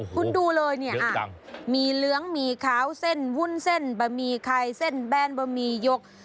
คุณดูเลยเนี่ยมีเหลืองมีขาวเส้นวุ่นเส้นบะหมี่ไข่เส้นแบนบะหมี่ยก